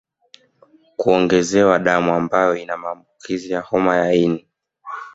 Kuongezewa damu ambayo ina maambukizi ya homa ya ini